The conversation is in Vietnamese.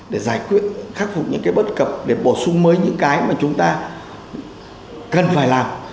để giải quyết khắc phục những cái bất cập để bổ sung mới những cái mà chúng ta cần phải làm